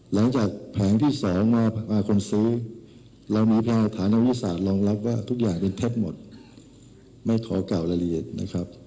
แผงที่๒มาคนซื้อเรามีพยาฐานทางวิทยาศาสตร์รองรับว่าทุกอย่างเป็นเท็จหมดไม่ขอกล่าวรายละเอียดนะครับ